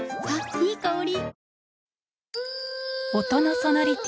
いい香り。